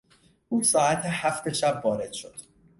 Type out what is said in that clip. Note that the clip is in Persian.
او ساعت هفت شب وارد شد.